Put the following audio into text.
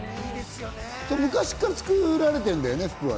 昔から作られてるんだよね。